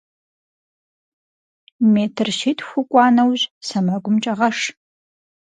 Метр щитху укӏуа нэужь, сэмэгумкӏэ гъэш.